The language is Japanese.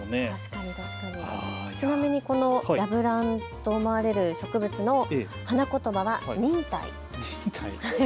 ちなみにこのヤブランと思われる植物の花言葉は忍耐。